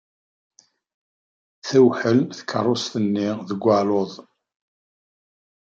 Tewḥel tkeṛṛust-nni deg waluḍ.